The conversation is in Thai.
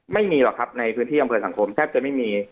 ไม่มีหรอกครับในพื้นที่อำเภอสังคมแทบจะไม่มี